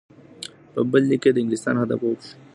په بل لیک کې یې د انګلیسانو هدف وپوښت.